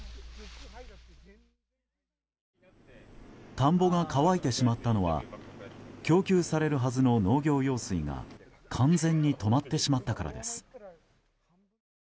田んぼが乾いてしまったのは供給されるはずの農業用水が完全に止まってしまったからです。